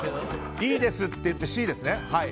いいですって言ってＣですね。